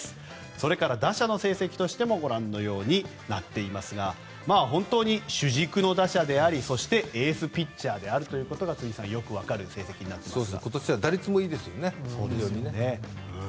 それから打者の成績としてもご覧のようになっていますが本当に主軸の打者でありエースピッチャーであることが辻さん、よくわかる成績になっていますが。